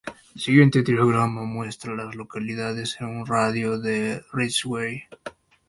El siguiente diagrama muestra a las localidades en un radio de de Ridgeway.